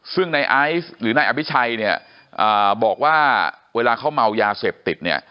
ซึ่งในไอซ์หรือนายอภิชัยเนี่ยบอกว่าเวลาเขาเมายาเสพติดเนี่ย